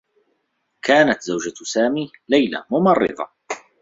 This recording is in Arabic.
كانت زوجة سامي، ليلى، ممرّضة.